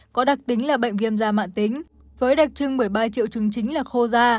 có đặc tính là bệnh viêm da mạng tính với đặc trưng một mươi ba triệu chứng chính là khô da